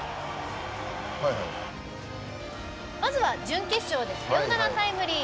まずは準決勝でサヨナラタイムリー